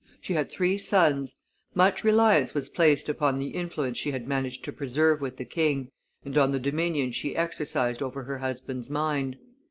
She had three sons. Much reliance was placed upon the influence she had managed to preserve with the king, and on the dominion she exercised over her husband's mind.